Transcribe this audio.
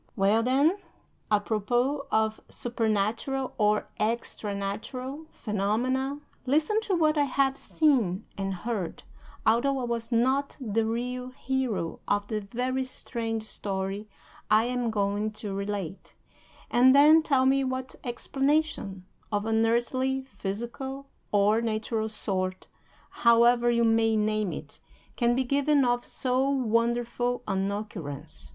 Well, then, apropos of supernatural, or extra natural, phenomena, listen to what I have seen and heard, although I was not the real hero of the very strange story I am going to relate, and then tell me what explanation of an earthly, physical, or natural sort, however you may name it, can be given of so wonderful an occurrence.